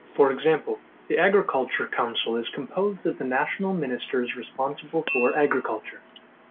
For example, the Agriculture Council is composed of the national ministers responsible for Agriculture.